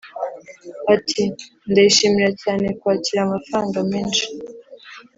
Ati "Nabyishimira cyane kwakira amafaranga menshi